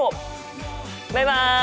バイバイ！